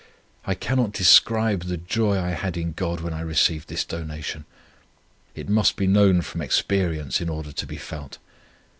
I cannot describe the joy I had in God when I received this donation. It must be known from experience, in order to be felt.